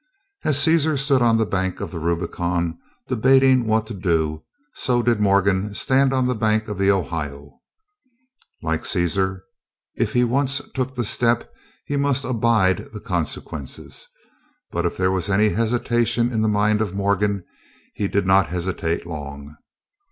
As Cæsar stood on the bank of the Rubicon debating what to do, so did Morgan stand on the bank of the Ohio. Like Cæsar, if he once took the step, he must abide the consequences. But if there was any hesitation in the mind of Morgan, he did not hesitate long.